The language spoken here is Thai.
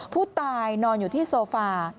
ผู้ตายนอนอยู่ที่โซฟา